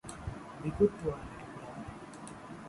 Be good to our little darling.